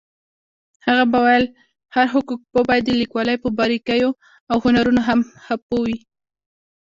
هغە به ویل هر حقوقپوه باید د لیکوالۍ په باريكييواو هنرونو هم ښه پوهوي.